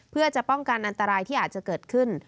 เพื่อจะป้องกันอันตรายที่อาจจะเกิดขึ้น